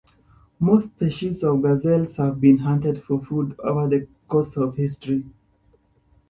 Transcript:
Most species of gazelles have been hunted for food over the course of history.